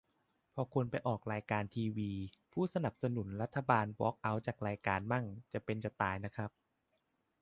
พอคนไปออกรายการทีวีพูดสนับสนุนรัฐบาลวอล์กเอาท์จากรายการมั่ง จะเป็นจะตายนะครับ